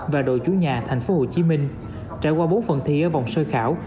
và đội chủ nhà tp hcm trải qua bốn phần thi ở vòng sơ khảo